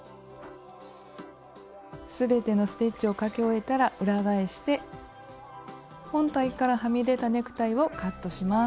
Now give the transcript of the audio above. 全てのステッチをかけ終えたら裏返して本体からはみ出たネクタイをカットします。